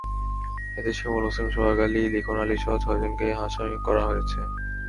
এতে শিমুল হোসেন, সোহাগ আলী, লিখন আলীসহ ছয়জনকে আসামি করা হয়েছে।